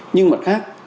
nhưng mặt khác